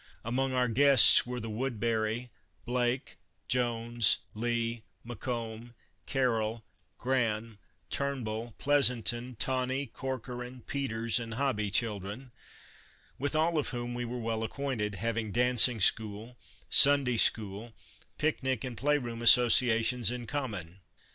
Among our guests were the Woodbury, Blake, Jones, Lee, Macomb, Carroll, Graham, Turnbull, Pleasanton, Taney, Cor coran, Peters, and Hobbie children, with all of whom we were well acquainted, having dancing school, Sun day school, picnic and play room associations in common.